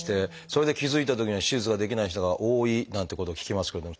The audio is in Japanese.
それで気付いたときには手術ができない人が多いなんてことを聞きますけど。